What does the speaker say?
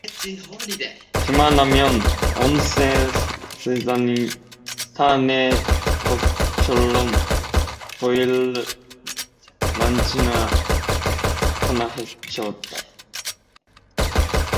그만하면 온 세상이 다 내 것처럼 보일 만치나 거나해졌다.